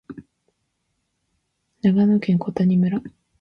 長野県小谷村